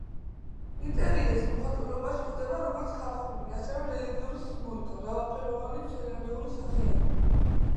ინტერიერის მოხატულობაში გვხვდება როგოც ხალხური, ასევე რელიგიური სიმბოლიკა, მრავალფეროვანი მცენარეული სახეები.